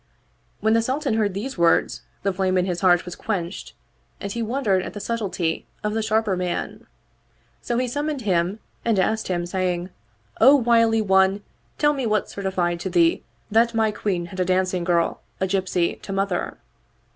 When the Sultan heard these words the flame in his heart was quenched and he wondered at the subtlety of the Sharper man; so he summoned him and asked him saying, " O wily one, tell me what certified to thee that my Queen had a dancing girl, a gypsy, to mother?"